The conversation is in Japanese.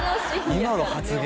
今の発言